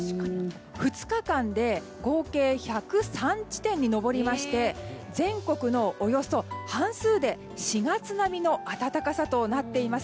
２日間で合計１０３地点に上りまして全国のおよそ半数で４月並みの暖かさとなっています。